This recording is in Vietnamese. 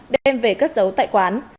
để đem về cất giấu tại quán